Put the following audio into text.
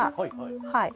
はい。